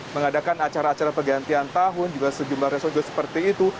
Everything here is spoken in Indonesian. mengadakan acara acara pergantian tahun juga sejumlah reso juga seperti itu